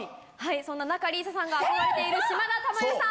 そんな仲里依紗さんが憧れている島田珠代さん。